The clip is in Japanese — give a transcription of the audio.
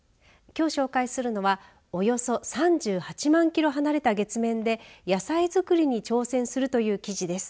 きょう紹介するのはおよそ３８万キロ離れた月面で野菜作りに挑戦するという記事です。